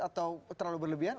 atau terlalu berlebihan